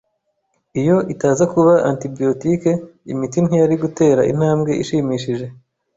Iyo itaza kuba antibiyotike, imiti ntiyari gutera intambwe ishimishije.